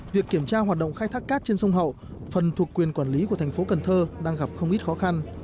việc kiểm tra hoạt động khai thác cát trên sông hậu phần thuộc quyền quản lý của tp cn đang gặp không ít khó khăn